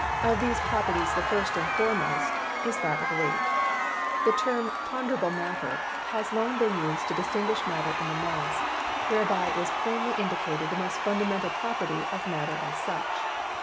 Of these properties the first and foremost is that of weight. The term "ponderable matter" has long been used to dis tinguish matter in the mass, whereby is plainly indicated the most fundamental property of matter as such.